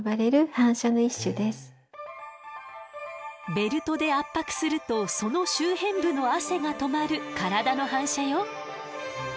ベルトで圧迫するとその周辺部の汗がとまる体の反射よ。